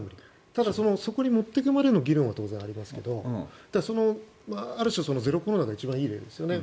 ただそこに持っていくまでの議論は当然ありますけどある種、ゼロコロナが一番いい例ですよね。